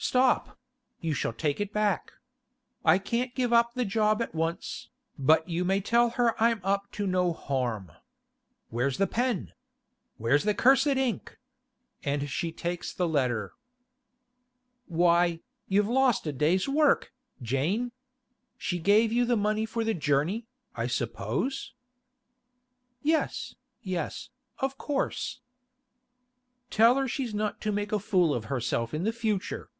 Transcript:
'Stop; you shall take it back. I can't give up the job at once, but you may tell her I'm up to no harm. Where's the pen? Where's the cursed ink?' And she takes the letter. 'Why, you've lost a day's work, Jane! She gave you the money for the journey, I suppose?' 'Yes, yes, of course.' 'Tell her she's not to make a fool of herself in future.